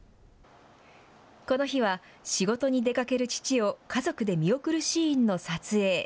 この日は、仕事に出かける父を、家族で見送るシーンの撮影。